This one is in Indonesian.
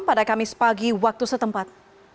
pada kamis pagi waktu setempat